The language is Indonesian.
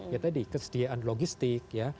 ya tadi kesediaan logistik ya